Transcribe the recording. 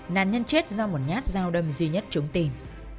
nạn nhân chết do một nhát giao đâm duy nhất trúng tìm